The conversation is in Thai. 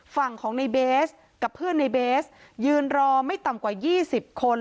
ฝั่งของในเบสกับเพื่อนในเบสยืนรอไม่ต่ำกว่า๒๐คน